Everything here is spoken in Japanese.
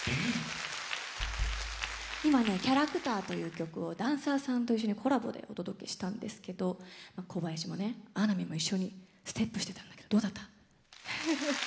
今ね「キャラクター」という曲をダンサーさんと一緒にコラボでお届けしたんですけど小林もね穴見も一緒にステップしてたんだけどどうだった？